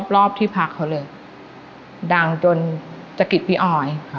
รอบที่พักเขาเลยดังจนสะกิดพี่ออย